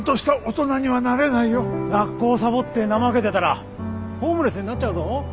学校サボって怠けてたらホームレスになっちゃうぞ。